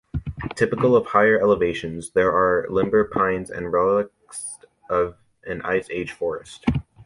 Typical of higher elevations, there are limber pines and relicts of an ice-age forest.